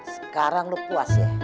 sekarang lo puas ya